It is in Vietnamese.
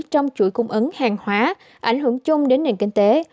trong chuỗi cung ứng hàng hóa ảnh hưởng chung đến nền kinh tế